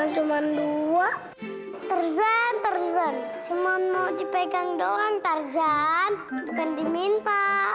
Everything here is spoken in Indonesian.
cuma dua perzen perzon cuma mau dipegang doang tarzan bukan diminta